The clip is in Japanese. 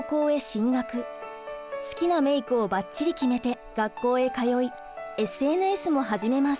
好きなメイクをばっちり決めて学校へ通いＳＮＳも始めます。